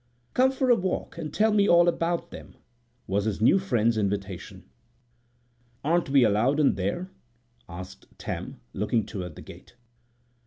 "Come for a walk, and tell me all about them," was his new friend's invitation. "Aren't we allowed in there?" asked Tam, looking toward the gate.